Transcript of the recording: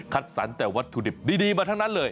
สรรค์แต่วัตถุดิบดีมาทั้งนั้นเลย